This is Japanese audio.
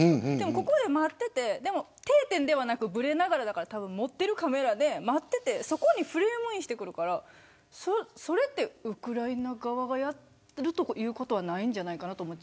ここで待っていて定点ではなくぶれながらだから持っているカメラで待っていてそこにフレームインしてくるからそれはウクライナ側がやるということはないんじゃないかなと。